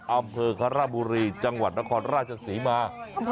อำเภอครบุรีจังหวัดนครราชศรีมา